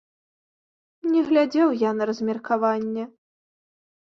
Не глядзеў я на размеркаванне.